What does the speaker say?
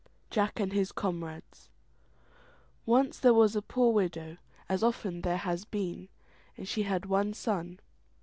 JACK AND HIS COMRADES Once there was a poor widow, as often there has been, and she had one son.